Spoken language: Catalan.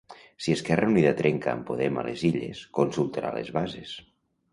Si Esquerra Unida trenca amb Podem a les Illes, consultarà les bases.